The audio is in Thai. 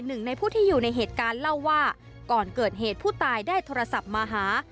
หนึ่งในผู้ที่อยู่ในเหตุการณ์เล่าว่าก่อนเกิดเหตุผู้ตายได้โทรศัพท์มาหา